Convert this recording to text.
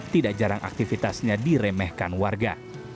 tidak jarang aktivitasnya diremehkan warga